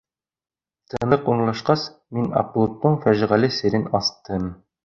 Тынлыҡ урынлашҡас, мин Аҡболоттоң фажиғәле серен астым.